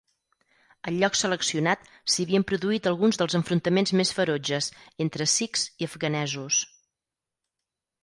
Al lloc seleccionat s'hi havien produït alguns dels enfrontaments més ferotges entre sikhs i afganesos.